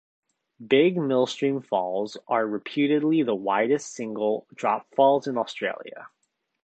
Big Millstream Falls are reputedly the widest single-drop falls in Australia.